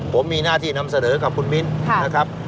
ผมมีหน้าที่นำเสนอกับคุณมิ้นนะครับ